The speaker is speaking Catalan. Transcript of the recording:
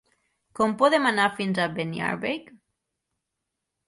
Com podem anar fins a Beniarbeig?